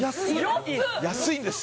っ安いんです